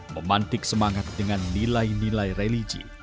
memantik semangat dengan nilai nilai religi